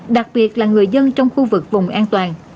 đặc biệt là người dân trong khu vực vùng an toàn